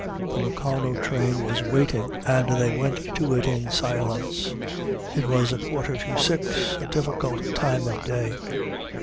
The Locarno train was waiting, and they went to it in silence. It was a quarter to six, a difficult time of day.